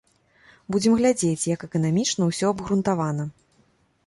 Будзем глядзець, як эканамічна ўсё абгрунтавана.